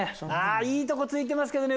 いいとこ突いてますけどね